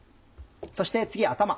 そして次は頭。